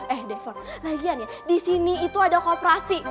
eh devo lagian ya disini itu ada kooperasi